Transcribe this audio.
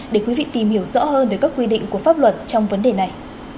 để quý vị tìm hiểu rõ hơn về các quy định của pháp luật trong vấn đề này